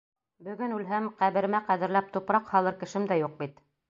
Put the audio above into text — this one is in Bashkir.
Бөгөн үлһәм, ҡәберемә ҡәҙерләп тупраҡ һалыр кешем дә юҡ бит.